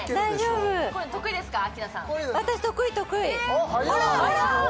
私、得意、得意。